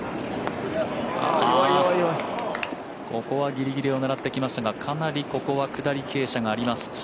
ここはぎりぎりを狙ってきましたがかなりここは下り傾斜があります